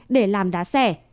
để làm đá xe